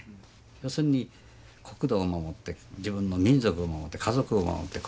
要するに国土を守って自分の民族を守って家族を守って。